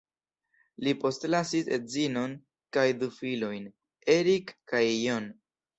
Li postlasis edzinon kaj du filojn, Erik kaj John.